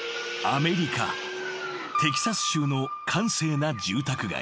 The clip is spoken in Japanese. ［アメリカテキサス州の閑静な住宅街］